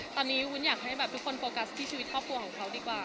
ตอนนี้วุ้นอยากให้แบบทุกคนโฟกัสที่ชีวิตครอบครัวของเขาดีกว่า